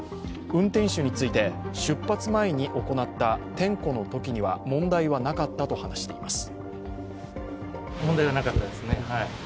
運転手について、出発前に行った点呼のときには問題はなかったと話しています。